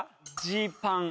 ジーパン。